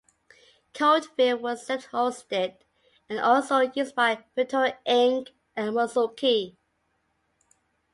Codeville was self hosted and also used by BitTorrent, Inc and Mosuki.